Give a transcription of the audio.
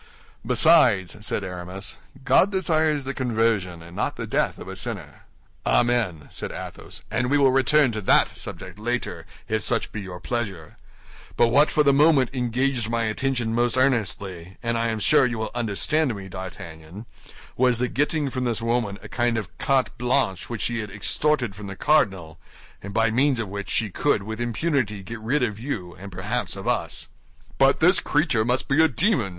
"Besides," said Aramis, "God desires the conversion and not the death of a sinner." "Amen!" said Athos, "and we will return to that subject later, if such be your pleasure; but what for the moment engaged my attention most earnestly, and I am sure you will understand me, D'Artagnan, was the getting from this woman a kind of carte blanche which she had extorted from the cardinal, and by means of which she could with impunity get rid of you and perhaps of us." "But this creature must be a demon!"